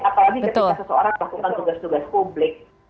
apalagi ketika seseorang melakukan tugas tugas publik